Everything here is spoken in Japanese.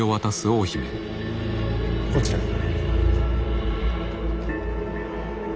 こちらへ。